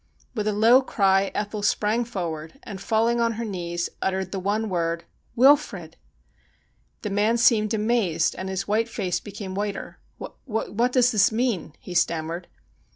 With a low cry Ethel sprang forward, and, falling on her knees, uttered the one word :' Wilfrid !' The man seemed amazed, and his white face became whiter. ' What does this mean ?' he stammered.